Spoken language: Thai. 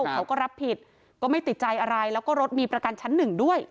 เขาก็รับผิดก็ไม่ติดใจอะไรแล้วก็รถมีประกันชั้นหนึ่งด้วย